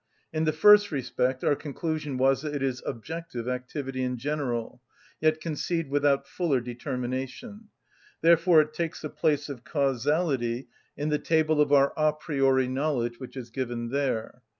In the first respect, our conclusion was that it is objective activity in general, yet conceived without fuller determination; therefore it takes the place of causality in the table of our a priori knowledge which is given there.